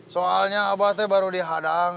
soalnya apa tuh baru dihadang